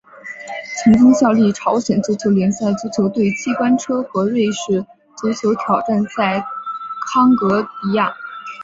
曾经效力朝鲜足球联赛足球队机关车和瑞士足球挑战联赛康戈迪亚。